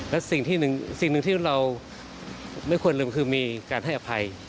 และสิ่งหนึ่งที่เราไม่ควรลืมคือมีการให้อภัย